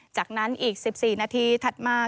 จากนั้นอีก๑๔นาทีถัดมา